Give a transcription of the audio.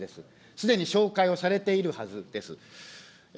すでに照会をされているはずです。